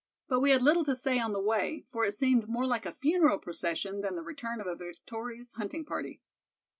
But we had little to say on the way, for it seemed more like a funeral procession than the return of a victorious hunting party."